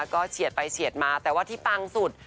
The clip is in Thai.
ก็เฉียดไปเฉียดมาแต่ว่าที่ปังสุด